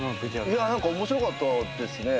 いや何か面白かったですね。